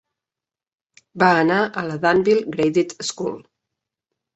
Va anar a la Danville Graded School.